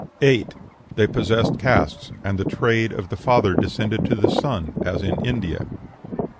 8. They possessed castes; and the trade of the father descended to the son, as in India.